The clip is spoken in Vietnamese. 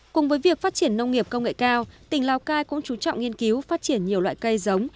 cùng với việc phát triển nông nghiệp công nghệ cao tỉnh lào cai cũng chú trọng nghiên cứu phát triển nhiều loại cây giống